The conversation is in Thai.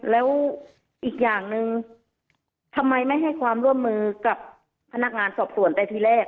แล้วอีกอย่างหนึ่งทำไมไม่ให้ความร่วมมือกับพนักงานสอบสวนแต่ทีแรก